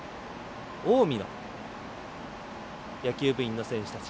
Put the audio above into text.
近江の野球部員の選手たち。